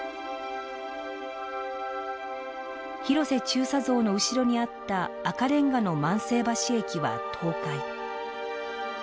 広瀬中佐像の後ろにあった赤レンガの万世橋駅は倒壊。